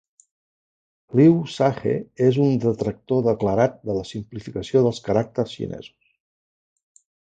Liu Shahe és un detractor declarat de la simplificació dels caràcters xinesos.